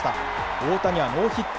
大谷はノーヒット。